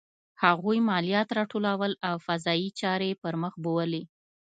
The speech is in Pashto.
هغوی مالیات راټولول او قضایي چارې یې پرمخ بیولې.